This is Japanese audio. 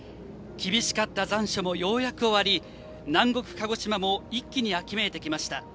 厳しかった残暑もようやく終わり南国・鹿児島も一気に秋めいてきました。